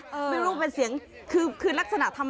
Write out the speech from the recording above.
เป็นรูปเป็นเสียงคือลักษณะ